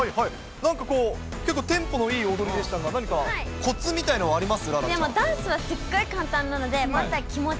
なんかこう、結構、テンポのいい踊りでしたが、何かこつみたいなものはあります？